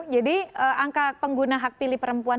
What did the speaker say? angka pengguna hak pilih perempuan